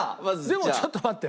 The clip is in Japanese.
でもちょっと待って。